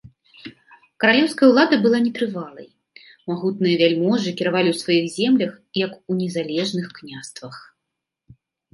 Каралеўская ўлада была нетрывалай, магутныя вяльможы кіравалі ў сваіх землях, як у незалежных княствах.